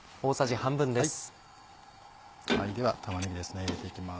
では玉ねぎですね入れていきます。